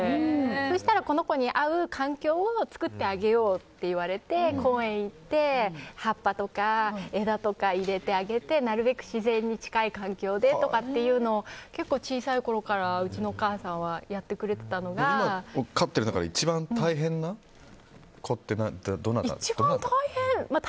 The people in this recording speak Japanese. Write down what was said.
そしたら、この子に合う環境を作ってあげようって言われて公園に行って葉っぱとか枝を入れてあげてなるべく自然に近い環境でとかっていうのを結構小さいころからうちのお母さんは今、飼っている中で一番大変な子ってどなたですか？